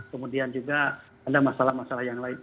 kemudian juga ada masalah masalah yang lain